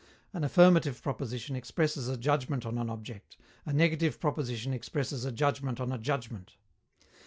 An affirmative proposition expresses a judgment on an object; a negative proposition expresses a judgment on a judgment.